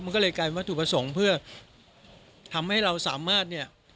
มันก็เลยกลายมาถูกประสงค์เพื่อทำให้เราสามารถ